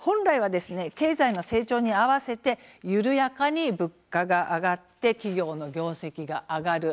経済の成長に合わせて緩やかに物価が上がって企業の業績が上がる。